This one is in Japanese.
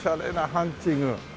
ハンチング。